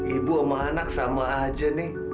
ibu sama anak sama aja nih